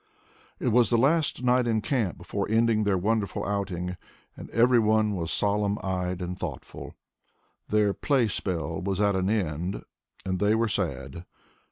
It was the last night in camp before ending their wonderful outing, and every one was solemn eyed and thoughtful. Their playspell was at an end and they were sad.